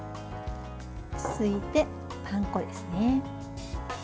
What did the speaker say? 続いてパン粉ですね。